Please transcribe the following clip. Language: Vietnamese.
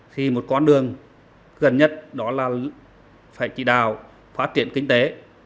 thì một con đường gần nhất đó là phải chỉ đào phát triển kinh tế